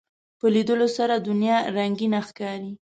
په لیدلو سره دنیا رنگینه ښکاري